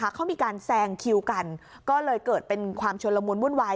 เขามีการแซงคิวกันก็เลยเกิดเป็นความชนละมุนวุ่นวาย